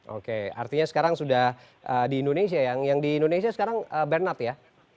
oke artinya sekarang sudah di indonesia yang di indonesia sekarang bernard ya